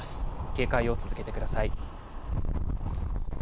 警戒を続けてください。